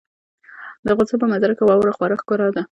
د افغانستان په منظره کې واوره خورا ښکاره ده.